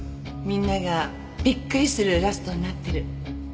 みんながビックリするラストになってる。